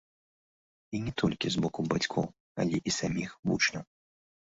І не толькі з боку бацькоў, але і саміх вучняў.